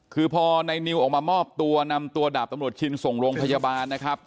คือพอในนิวออกมามอบตัวนำตัวดาบตำรวจชินส่งโรงพยาบาลนะครับ